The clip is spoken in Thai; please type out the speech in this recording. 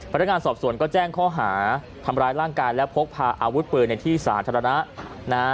พนักงานสอบสวนก็แจ้งข้อหาทำร้ายร่างกายและพกพาอาวุธปืนในที่สาธารณะนะฮะ